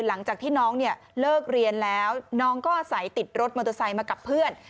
หลังจากที่น้องเนี่ยเลิกเรียนแล้วน้องก็อาศัยติดรถมอเตอร์ไซค์มากับเพื่อน